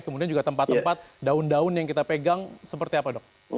kemudian juga tempat tempat daun daun yang kita pegang seperti apa dok